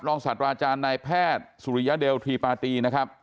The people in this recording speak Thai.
ศาสตราอาจารย์นายแพทย์สุริยเดลทีปาตีนะครับ